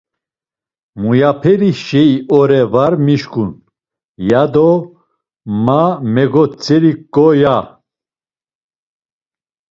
Muyaperi şei ore var mişǩun ya do mo megotzeriǩo ya.